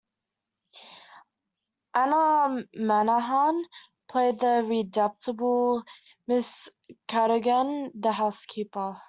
Anna Manahan played the redoubtable Mrs Cadogan the housekeeper.